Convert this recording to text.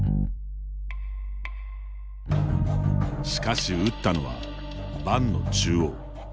しかし、打ったのは盤の中央。